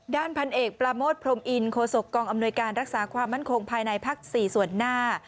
ด้านพันเอกปราโมทพรมอินโคศกกองอำนวยการรักษาความมั่นคงภายในภักดิ์๔ส่วนหน้า